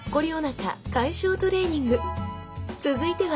続いては